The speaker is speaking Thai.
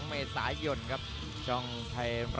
สวัสดีครับทุกคน